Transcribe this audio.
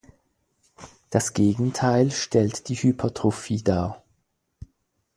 Das Gegenteil stellt die Hypertrophie dar.